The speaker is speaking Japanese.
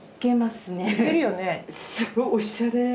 すごいおしゃれ。